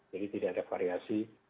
jadi tidak ada variasi